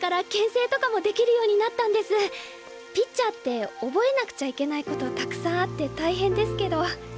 ピッチャーって覚えなくちゃいけないことたくさんあって大変ですけど。